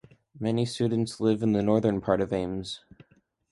Many students live in the northern part of Ames.